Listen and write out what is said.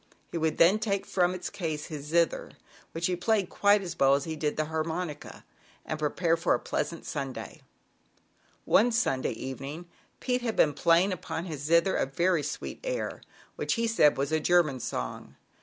He would then take from its case his zither which he played quite as well as he 58 ZAUBERLINDA, THE WISE WITCH. and prepare for a did the harmonica pleasant Sunday. One Sunday evening Pete had been playing upon his zither a very sweet air, which he said was a German song.